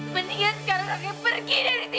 mendingan sekarang saja pergi dari sini